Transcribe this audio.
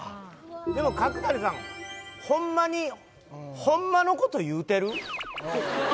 でも角谷さんホンマにホンマのこと言うてる？